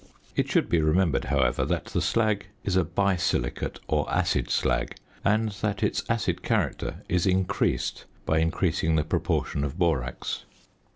It should be remembered, however, that the slag is a bi silicate or acid slag, and that its acid character is increased by increasing the proportion of borax.